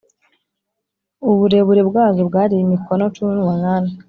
uburebure bwazo bwari mikono cumi n’umunani